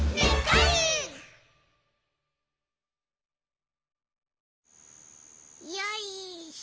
いよいしょ！